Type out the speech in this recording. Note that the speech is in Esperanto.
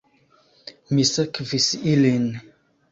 Mi sekvis ilin.